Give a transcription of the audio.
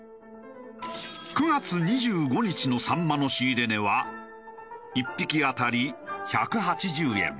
９月２５日のサンマの仕入れ値は１匹当たり１８０円。